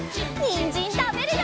にんじんたべるよ！